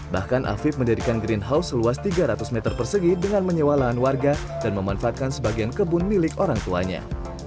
bahkan afif mendirikan greenhouse seluas tiga ratus meter persegi dengan menyewa lahan warga dan memanfaatkan sebagian kebun milik orang tuanya